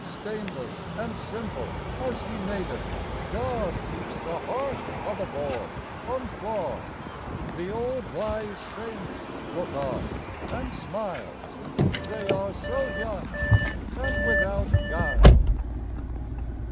Stainless and simple as He made it God keeps the heart o' the boy unflawed. The old wise Saints look on and smile, They are so young and without guile.